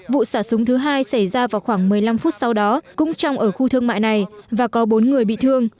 vụ xả súng thứ hai xảy ra vào khoảng một mươi năm phút sau đó cũng trong ở khu thương mại này và có bốn người bị thương